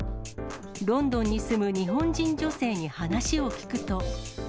ロンドンに住む日本人女性に話を聞くと。